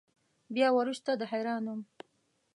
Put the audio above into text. بیا وروسته د حرا نوم.